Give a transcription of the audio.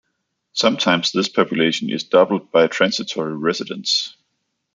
Sometimes this population is doubled by transitory residents.